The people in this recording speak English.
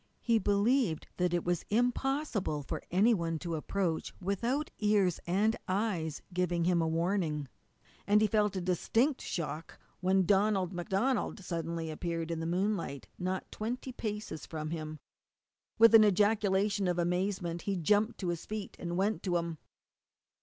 He believed that it was impossible for any one to approach without ears and eyes giving him warning, and he felt a distinct shock when Donald MacDonald suddenly appeared in the moonlight not twenty paces from him. With an ejaculation of amazement he jumped to his feet and went to him.